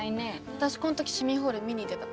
私こん時市民ホール見に行ってた。